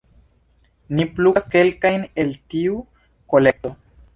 Ni plukas kelkajn el tiu kolekto.